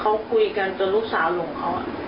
เขาคุยกันจนลูกสาวหลงเขา